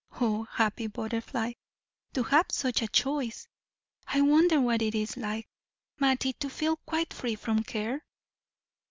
Oh, happy butterfly, to have such a choice! I wonder what it is like, Mattie, to feel quite free from care?"